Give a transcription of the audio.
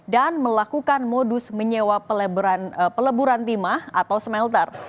dan melakukan modus menyewa peleburan timah atau smelter